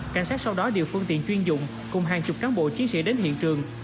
cảnh sát sau đó điều phương tiện chuyên dụng cùng hàng chục cán bộ chiến sĩ đến hiện trường